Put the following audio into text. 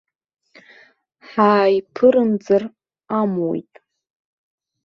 Ҳааиԥырымҵыр амуит.